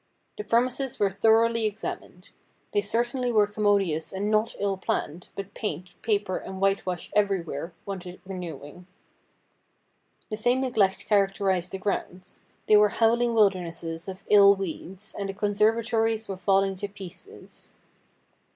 The premises were thoroughly examined. They certainly were commodious and not ill planned, but paint, paper, and white wash everywhere wanted renewing. The same neglect characterised the grounds. They were howling wilder nesses of ill weeds, and the conservatories were falling to pieces.